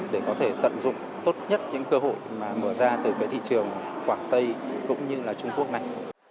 để có thể tận dụng tốt nhất những cơ hội mở ra từ thị trường quảng tây cũng như trung quốc này